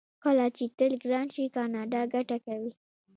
کله چې تیل ګران شي کاناډا ګټه کوي.